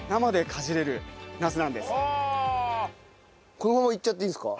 このままいっちゃっていいんですか？